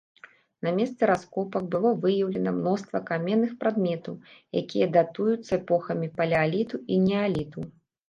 На месцы раскопак было выяўлена мноства каменных прадметаў, якія датуюцца эпохамі палеаліту і неаліту.